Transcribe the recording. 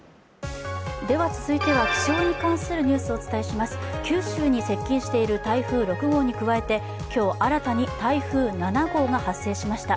続いては気象に関するニュースをお伝えします、九州に接近している台風６号に加えて今日、新たに台風７号が発生しました。